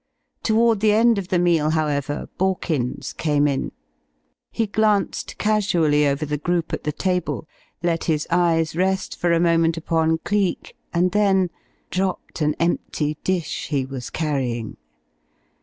Toward the end of the meal, however, Borkins came in. He glanced casually over the group at the table, let his eyes rest for a moment upon Cleek, and then dropped an empty dish he was carrying.